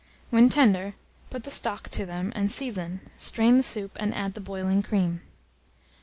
When tender, put the stock to them, and season; strain the soup, and add the boiling cream.